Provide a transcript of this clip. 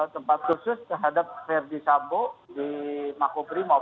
tempat khusus terhadap ferdi sabo di makoprimo